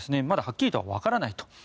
まだはっきりとはわからないと。